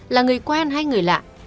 là người quen hay người lạ